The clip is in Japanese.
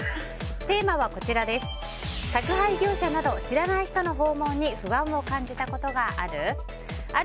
テーマは宅配業者など知らない人の訪問に不安を感じたことある？